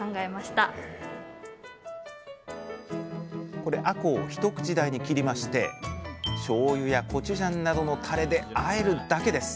これあこうを一口大に切りましてしょうゆやコチュジャンなどのタレであえるだけです。